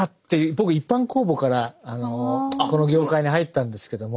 僕一般公募からこの業界に入ったんですけども。